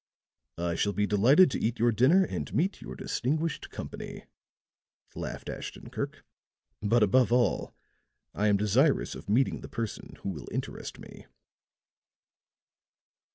"I shall be delighted to eat your dinner and meet your distinguished company," laughed Ashton Kirk. "But, above all, I am desirous of meeting the person who will interest me."